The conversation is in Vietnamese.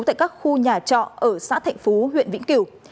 tại các khu nhà trọ ở xã thạnh phú huyện vĩnh kiểu